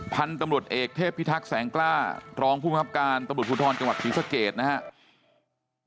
พันธุ์ตำรวจเอกเทพพิทักษ์แสงกล้ารองผู้บังคับการตำรวจภูทรจังหวัดศรีสะเกดนะครับ